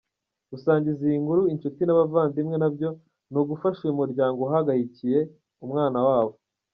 Gusangiza iyi nkuru inshuti n’abavandimwe nabyo ni ugufasha uyu muryango uhangayikiye umwana wabo.